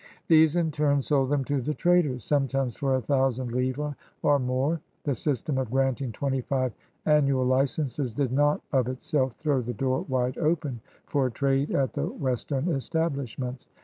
These in turn sold them to the traders, sometimes for a thousand livres or more. The system of granting twenty five annual licenses did not of itself throw the door wide open for trade at the western establishments.